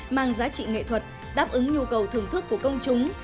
mang giá trị nghệ thuật đáp ứng nhu cầu thưởng thức của công chúng